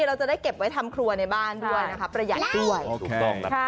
เราจะได้เก็บไว้ทำครัวในบ้านด้วยนะครับประหยัดด้วย